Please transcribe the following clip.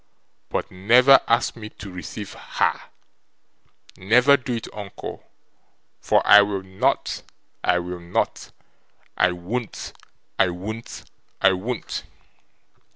But never ask me to receive HER, never do it, uncle. For I will not, I will not, I won't, I won't, I won't!